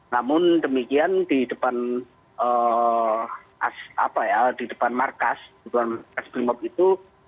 namun demikian di depan markas brimob itu